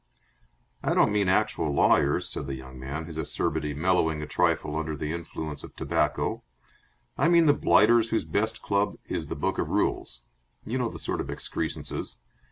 "I don't mean actual lawyers," said the young man, his acerbity mellowing a trifle under the influence of tobacco. "I mean the blighters whose best club is the book of rules. You know the sort of excrescences.